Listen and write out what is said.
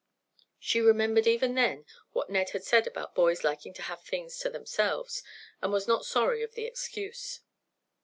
She remembered even then what Ned had said about boys liking to have things to themselves, and was not sorry of the excuse.